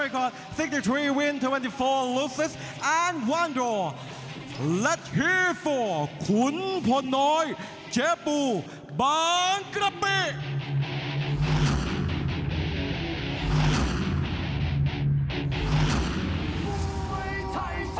ของนครศรีธรรมราชภูวิส